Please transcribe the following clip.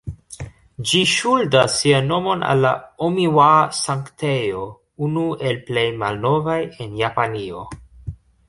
Ĝi ŝuldas sian nomon al la Omiŭa-Sanktejo, unu el plej malnovaj en Japanio.